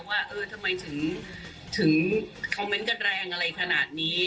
ว่าเออทำไมถึงคอมเมนต์กันแรงอะไรขนาดนี้